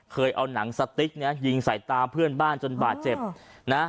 เอาหนังสติ๊กเนี่ยยิงใส่ตาเพื่อนบ้านจนบาดเจ็บนะ